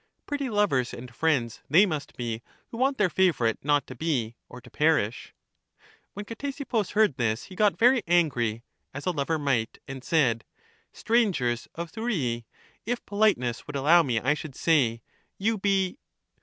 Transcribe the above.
Pretty lovers and friends they must be who want their favorite not to be, or to perish! When Ctesippus heard this he got very angry (as a lover might) and said: Strangers of Thurii — if politeness would allow me I should say. You be